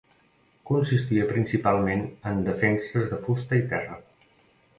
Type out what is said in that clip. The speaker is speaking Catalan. Consistia principalment en defenses de fusta i terra.